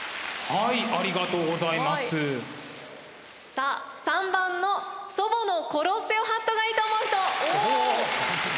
さあ３番の「祖母のコロッセオハット」がいいと思う人！おっ！